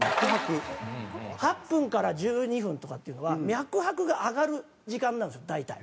８分から１２分とかっていうのは脈拍が上がる時間なんですよ大体。